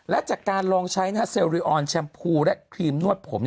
และจากการลองใช้เซลริออนแชมพูและครีมนวดผม